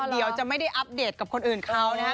เดี๋ยวจะไม่ได้อัปเดตกับคนอื่นเขานะฮะ